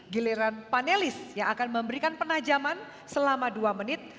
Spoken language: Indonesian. giliran panelis yang akan memberikan penajaman selama dua menit